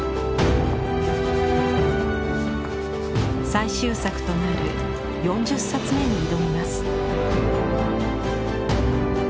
最終作となる４０冊目に挑みます。